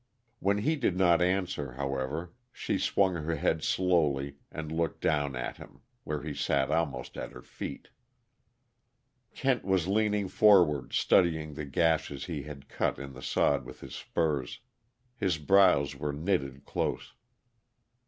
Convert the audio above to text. When he did not answer, however, she swung her head slowly and looked down at him, where he sat almost at her feet. Kent was leaning forward, studying the gashes he had cut in the sod with his spurs. His brows were knitted close.